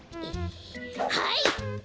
はい！